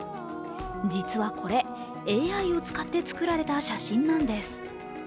実はこれ、ＡＩを使って作られた写真なんです。